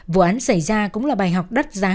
vụ án xảy ra cũng là bài học đắt giá